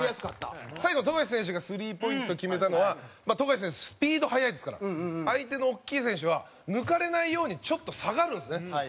澤部：最後、富樫選手がスリーポイント決めたのは富樫選手、スピード速いですから相手の大きい選手は抜かれないようにちょっと下がるんですね。